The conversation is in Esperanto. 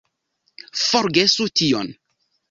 Forgesu tion!